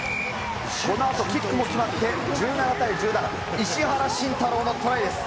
このあとキックも決まって１７対１７、石原慎太郎の虎いです。